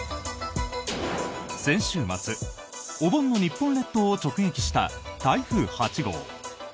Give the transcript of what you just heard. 先週末、お盆の日本列島を直撃した台風８号。